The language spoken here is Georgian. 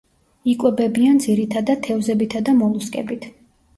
იკვებებიან ძირითადად თევზებითა და მოლუსკებით.